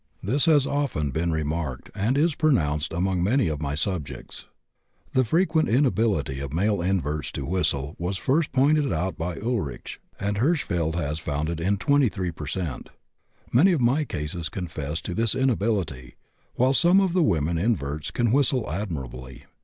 This has often been remarked, and is pronounced among many of my subjects. The frequent inability of male inverts to whistle was first pointed out by Ulrichs, and Hirschfeld has found it in 23 per cent. Many of my cases confess to this inability, while some of the women inverts can whistle admirably.